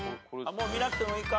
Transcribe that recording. もう見なくてもいいか？